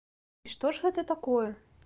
І што ж гэта такое?